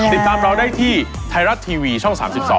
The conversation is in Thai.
ติดตามเราได้ที่ไทยรัฐทีวีช่อง๓๒